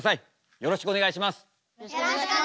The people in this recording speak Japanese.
よろしくお願いします。